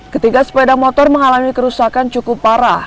ketiga sepeda motor mengalami kerusakan cukup parah